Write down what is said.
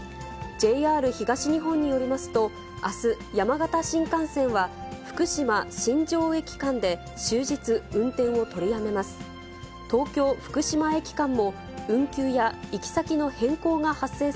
ＪＲ東日本によりますと、あす、山形新幹線は福島・新庄駅間で終日運転を取りやめます。